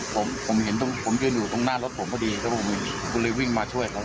ผมยืนอยู่ตรงหน้ารถผมพอดีเขาก็วิ่งมาช่วยเขา